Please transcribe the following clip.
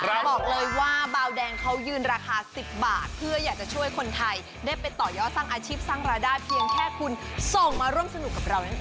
บอกเลยว่าบาวแดงเขายืนราคา๑๐บาทเพื่ออยากจะช่วยคนไทยได้ไปต่อยอดสร้างอาชีพสร้างรายได้เพียงแค่คุณส่งมาร่วมสนุกกับเรานั่นเอง